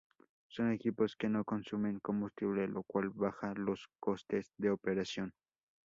Son equipos que no consumen combustible lo cual baja los costes de operación.